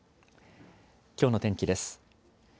きょうの天気です。